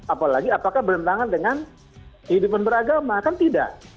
apalagi apakah bertentangan dengan kehidupan beragama kan tidak